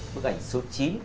bức ảnh số chín